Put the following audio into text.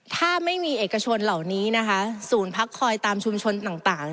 ถ้าไม่มีเอกชนเหล่านี้นะคะศูนย์พักคอยตามชุมชนต่าง